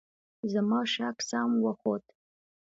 زما شک سم وخوت .